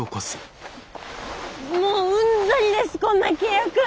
もううんざりですこんな契約！